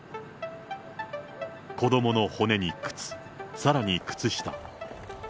子どもの骨に靴、さらに靴下。